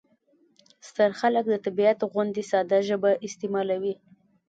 ستر خلک د طبیعت غوندې ساده ژبه استعمالوي.